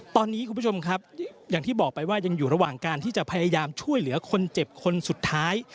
ตอนนี้คุณผู้ชมครับอย่างที่บอกไปว่ายังอยู่ระหว่างการที่จะพยายามช่วยเหลือคนเจ็บคนสุดท้าย